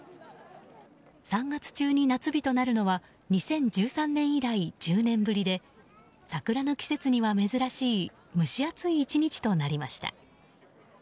３月中に夏日となるのは２０１３年以来１０年ぶりで桜の季節には珍しい蒸し暑い１日となりました。